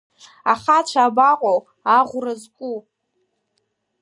Ахацәа абаҟоу, аӷәра зку?